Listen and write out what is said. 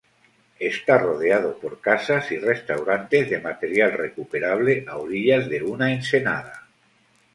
Está rodeado por casas y restaurantes de material recuperable a orillas de una ensenada.